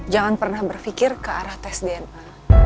jangan pernah berpikir ke arah tes dna